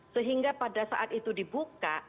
sehingga pada saat itu dibuka